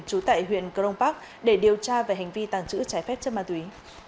trú tại huyện crong park để điều tra về hành vi tàng trữ trái phép chất ma túy